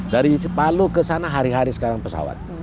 dari palu ke sana hari hari sekarang pesawat